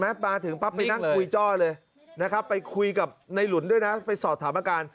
มาถึงปรับนี่นั้นคุยจ้อเลยไปคุยกับนายหลุ้นด้วยไปสอดถามอาการ